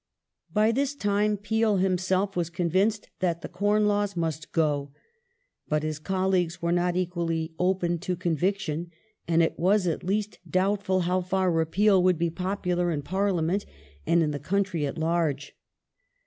By this time Peel himself was convinced that the Corn Laws must go. But his colleagues were not equally open to conviction, and it was at least doubtful how far " repeal " would be popular in Parliament and in the country at large.